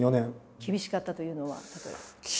厳しかったというのは例えば？